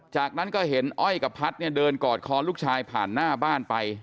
จากนั้นก็เห็นอ้อยกับพัฒน์เนี่ยเดินกอดคอลูกชายผ่านหน้าบ้านไป